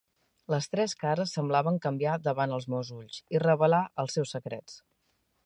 Les tres cares semblaven canviar davant dels meus ulls i revelar els seus secrets.